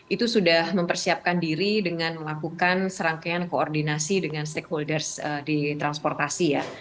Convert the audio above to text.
itu sudah mempersiapkan diri dengan melakukan serangkaian koordinasi dengan stakeholders di transportasi ya